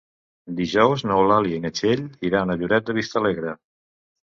Dijous n'Eulàlia i na Txell iran a Lloret de Vistalegre.